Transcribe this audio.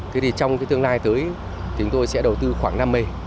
thế thì trong tương lai tới chúng tôi sẽ đầu tư khoảng năm m